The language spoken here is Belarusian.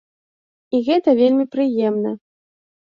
І гэта вельмі прыемна.